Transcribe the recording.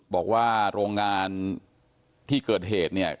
บอกว่าโรงงานที่เกิดเหตุเนี่ย